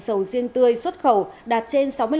sầu riêng tươi xuất khẩu đạt trên